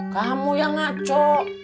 kamu yang ngeco